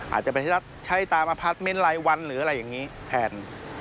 อาจจะไปที่รัฐใช้ตามอพาร์ทเมนต์รายวันหรืออะไรอย่างนี้แทน